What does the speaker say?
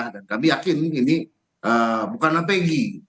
dan kami yakin ini bukanlah peggy